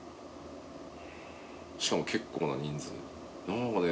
しかも結構な人数何かね